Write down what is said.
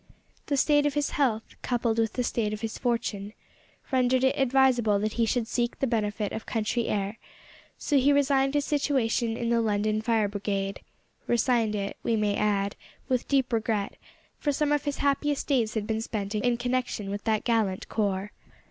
The state of his health, coupled with the state of his fortune, rendered it advisable that he should seek the benefit of country air, so he resigned his situation in the London Fire Brigade resigned it, we may add, with deep regret, for some of his happiest days had been spent in connection with that gallant corps.